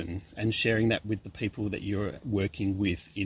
dan berbagi dengan orang yang anda bekerja dengan